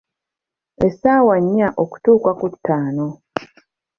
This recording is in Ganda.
Essaawa nnya okutuuka ku ttaano.